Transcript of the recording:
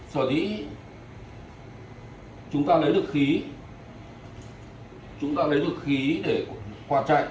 sở thí chúng ta lấy được khí để quạt chạy